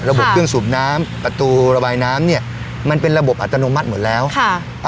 ระบบเครื่องสูบน้ำประตูระบายน้ำเนี้ยมันเป็นระบบอัตโนมัติหมดแล้วค่ะ